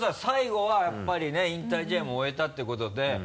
最後はやっぱりね引退試合も終えたっていうことで。